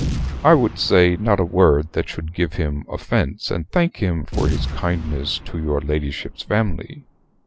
"I would say not a word that should give him offence, and thank him for his kindness to your ladyship's family.